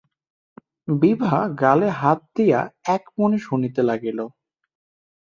বিভা গালে হাত দিয়া এক মনে শুনিতে লাগিল।